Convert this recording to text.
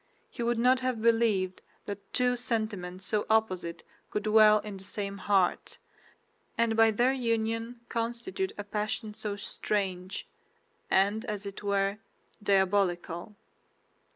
He would not have believed that two sentiments so opposite could dwell in the same heart, and by their union constitute a passion so strange, and as it were, diabolical.